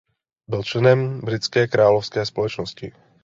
Byl členem britské Královské společnosti.